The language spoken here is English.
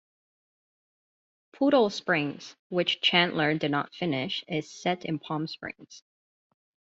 "Poodle Springs", which Chandler did not finish, is set in Palm Springs.